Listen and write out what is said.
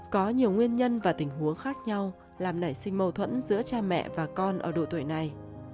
có nhiều nguyên nhân và tình huống khác nhau làm nảy sinh mâu thuẫn giữa cha mẹ và con ở độ tuổi này